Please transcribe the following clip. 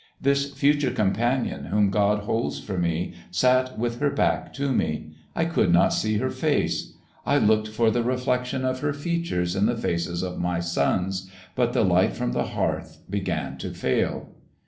This future companion whom God holds for me sat with her back to me. I could not see her face. I looked for the reflection of her features in the faces of my sons, but the light from the hearth began to fail.